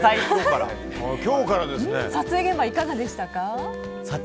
撮影現場はいかがでしたか？